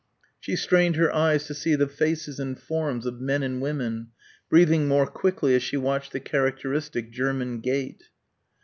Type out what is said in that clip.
She strained her eyes to see the faces and forms of men and women breathing more quickly as she watched the characteristic German gait.